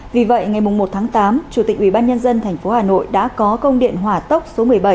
vì vậy ngày một tháng tám chủ tịch ubnd tp hà nội đã có công điện hỏa tốc số một mươi bảy